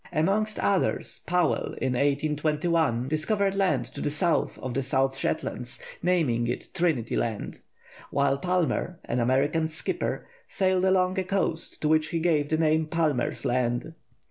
Amongst others, Powell, in 1821, discovered land to the south of the South Shetlands, naming it Trinity Land; while Palmer, an American skipper, sailed along a coast to which he gave the name Palmer's Land.